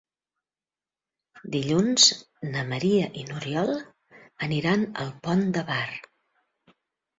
Dilluns na Maria i n'Oriol aniran al Pont de Bar.